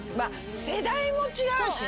世代も違うしね